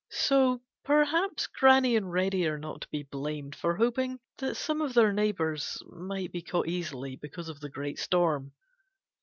So perhaps Granny and Reddy are not to be blamed for hoping that some of their neighbors might be caught easily because of the great storm.